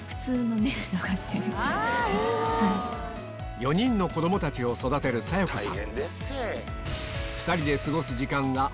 ４人の子供たちを育てる紗代子さん